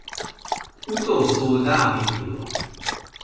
Utószó Dávid Gyula.